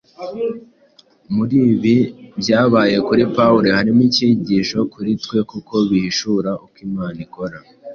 Muri ibi byabaye kuri Pawulo harimo icyigisho kuri twe kuko bihishura uko Imana ikora.